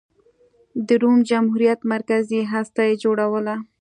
د روم جمهوریت مرکزي هسته یې جوړوله.